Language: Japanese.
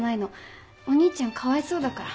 お兄ちゃんかわいそうだから。